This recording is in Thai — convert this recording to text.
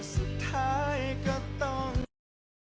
สุดท้ายก็ต้องปล่อย